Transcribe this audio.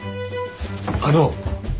あの。